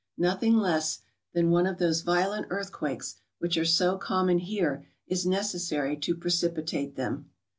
Nothing less than one of those violent earthquakes, which are so common here, is necessary to precipitate them.